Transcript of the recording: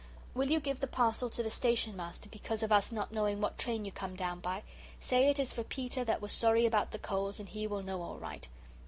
"Will you give the parsel to the Station Master, because of us not knowing what train you come down by? Say it is for Peter that was sorry about the coals and he will know all right.